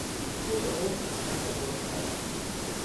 رومئو از شهر خود تبعید شد.